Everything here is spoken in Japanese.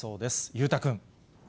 裕太君。